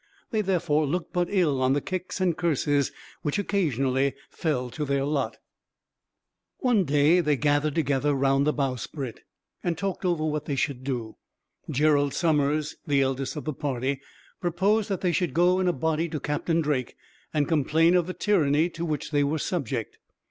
They therefore looked but ill on the kicks and curses which, occasionally, fell to their lot. One day they gathered together round the bowsprit, and talked over what they should do. Gerald Summers, the eldest of the party, proposed that they should go in a body to Captain Drake, and complain of the tyranny to which they were subject.